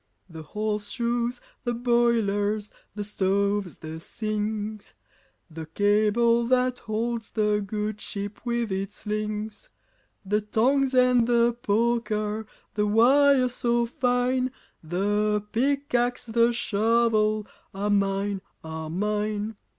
The horseshoes, the boilers, The stoves, the sinks, The cable that holds The good ship with its links, The tongs and the poker, The wire so fine, The pickaxe and shovel, Are mine, are mine.